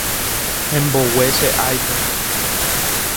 Embogue che ipod.